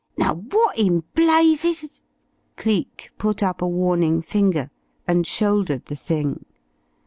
Now, what in blazes ?" Cleek put up a warning finger, and shouldered the thing.